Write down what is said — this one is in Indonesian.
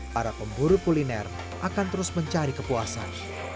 para pemburu kuliner akan terus mencari kepuasan